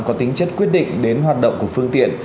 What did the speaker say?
có tính chất quyết định đến hoạt động của phương tiện